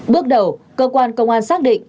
bước đầu cơ quan công an xác định